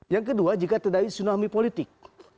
yang kedua jika terjadi tsunami politik